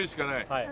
はい。